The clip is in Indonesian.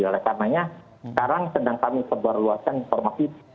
oleh karena sekarang sedang kami sebar luaskan informasi